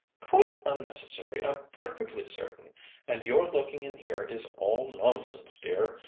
"Quite unnecessary, I'm perfectly certain. And your looking in here is all nonsense, dear.